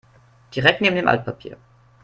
Direkt neben dem Altpapier.